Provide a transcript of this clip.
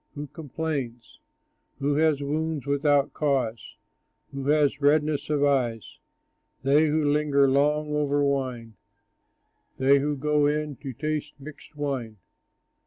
Who complains? Who has wounds without cause? Who has redness of eyes? They who linger long over wine, They who go in to taste mixed wine.